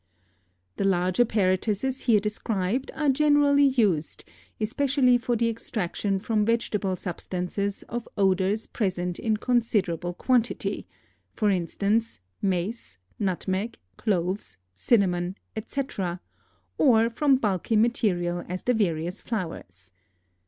The large apparatuses here described are generally used, especially for the extraction from vegetable substances of odors present in considerable quantity, for instance, mace, nutmeg, cloves, cinnamon, etc., or from bulky material as the various flowers.